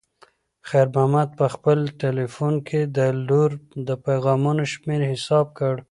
خیر محمد په خپل تلیفون کې د لور د پیغامونو شمېر حساب کړ.